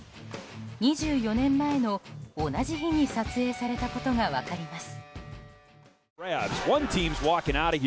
２４年前の、同じ日に撮影されたことが分かります。